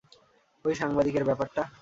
ওই সাংবাদিকের ব্যাপারটা?